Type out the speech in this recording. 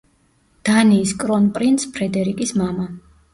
დანიის კრონპრინც ფრედერიკის მამა.